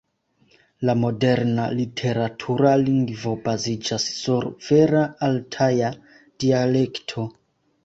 La moderna literatura lingvo baziĝas sur vera altaja dialekto.